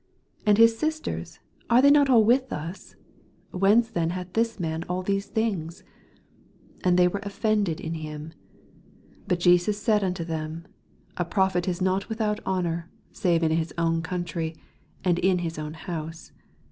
66 And his sisters, are they not all with us ? Whence then hath this man all these things ? 57 And they were offended in him. But Jesus said unto them, A prophet is not without honor, save in his own country, and in his own house.